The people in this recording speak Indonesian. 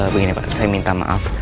begini pak saya minta maaf